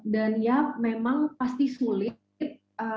dan ya memang pasti sulit